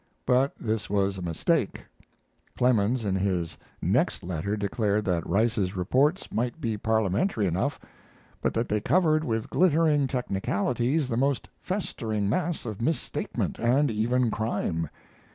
But this was a mistake. Clemens in his next letter declared that Rice's reports might be parliamentary enough, but that they covered with glittering technicalities the most festering mass of misstatement, and even crime.